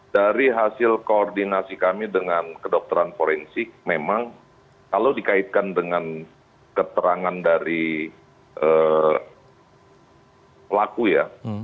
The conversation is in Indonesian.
dari hasil koordinasi kami dengan kedokteran forensik memang kalau dikaitkan dengan keterangan dari pelaku ya